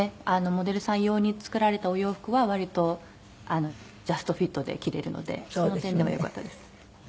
モデルさん用に作られたお洋服は割とジャストフィットで着られるのでその点ではよかったです。